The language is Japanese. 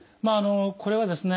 これはですね